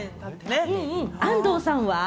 安藤さんは？